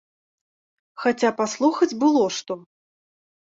Хаця паслухаць было што.